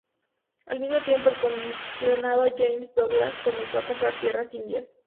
Al mismo tiempo, el comisionado James Douglas comenzó a comprar tierras indias.